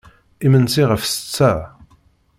Imensi ɣef ssetta.